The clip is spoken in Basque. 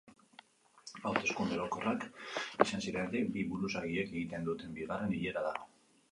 Hauteskunde orokorrak izan zirenetik, bi buruzagiek egiten duten bigarren bilera da.